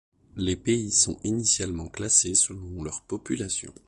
Les pays sont initialement classés selon leur population.